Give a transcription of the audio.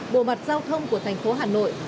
bộ mặt giao thông của thành phố hà nội